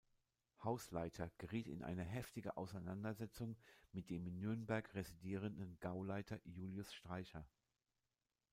Haußleiter geriet in eine heftige Auseinandersetzung mit dem in Nürnberg residierenden Gauleiter Julius Streicher.